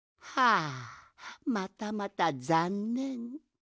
あまたまたざんねん。